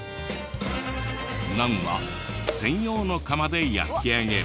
ナンは専用の窯で焼き上げる。